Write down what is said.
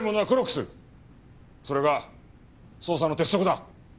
それが捜査の鉄則だ。